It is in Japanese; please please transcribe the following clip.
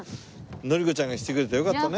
紀子ちゃんが来てくれてよかったね。